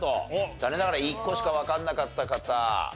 残念ながら１個しかわかんなかった方？